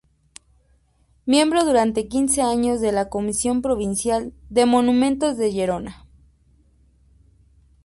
Miembro durante quince años de la Comisión Provincial de Monumentos de Gerona.